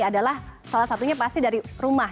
adalah salah satunya pasti dari rumah